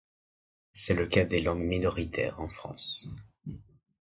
C'est le cas des langues minoritaires en France.